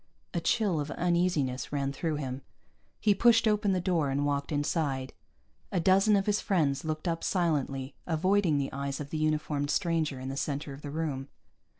A chill of uneasiness ran through him; he pushed open the door and walked inside. A dozen of his friends looked up silently, avoiding the eyes of the uniformed stranger in the center of the room.